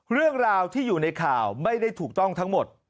เรื่องราวที่อยู่ในข่าวไม่ได้ถูกต้องทั้งหมด